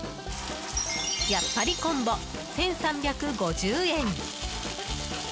やっぱりコンボ、１３５０円。